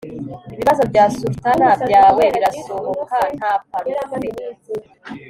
ibibazo bya sultana byawe birasohoka nta parufe